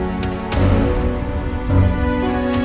kamu sudah kan sampai kesayangan